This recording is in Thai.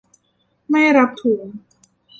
ไม่รับถุง